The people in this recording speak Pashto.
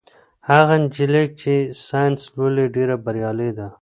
هغه نجلۍ چې ساینس لولي ډېره بریالۍ ده.